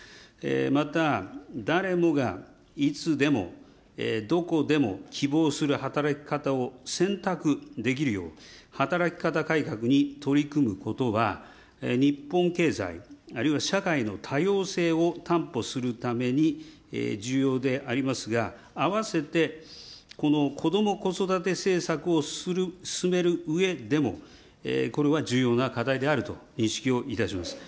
また誰もが、いつでも、どこでも希望する働き方を選択できるよう、働き方改革に取り組むことは、日本経済、あるいは社会の多様性を担保するために重要でありますが、あわせて、このこども・子育て政策を進めるうえでも、これは重要な課題であると認識をいたします。